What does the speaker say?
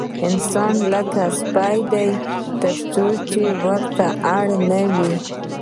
انسان لکه سپی دی، څو چې ورته اړ نه وي.